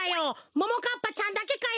ももかっぱちゃんだけかよ。